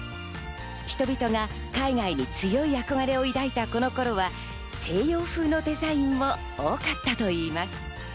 人々が海外に強い憧れを抱いたこの頃は、西洋風のデザインも多かったといいます。